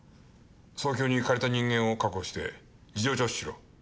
早急に借りた人間を確保して事情聴取しろ。